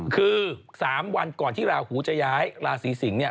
คือ๓วันก่อนที่ราหูจะย้ายราศีสิงศ์เนี่ย